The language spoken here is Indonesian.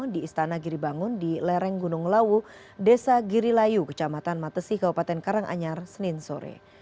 di istana giribangun di lereng gunung lawu desa girilayu kecamatan matesi kabupaten karanganyar senin sore